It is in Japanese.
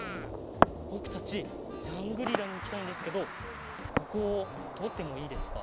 ぼくたちジャングリラにいきたいんですけどここをとおってもいいですか？